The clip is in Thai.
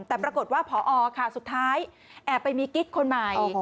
แต่ปรากฏว่าพอค่ะสุดท้ายแอบไปมีกิ๊กคนใหม่